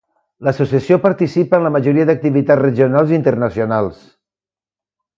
L"Associació participa en la majoria d"activitats regionals i internacionals.